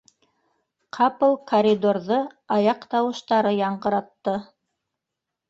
Ҡапыл коридорҙы аяҡ тауыштары яңғыратты.